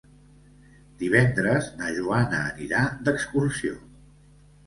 Divendres na Joana anirà d'excursió.